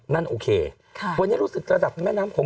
นั่นโอเควันนี้รู้สึกระดับแม่น้ำโขง